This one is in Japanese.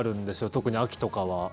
特に秋とかは。